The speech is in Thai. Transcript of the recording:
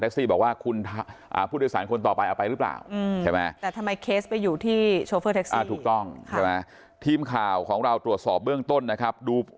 แท็กซี่บอกว่าคุณผู้โดยสารคนต่อไปไปรึเปล่าใช่ไหมแต่ทำไมเคสไปอยู่ที่เชิเฟอร์แท็กซี่ถูกต้องทีมข่าวของเราตรวจสอบเรื่องต้นนะครับดู